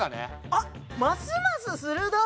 あっますます鋭い！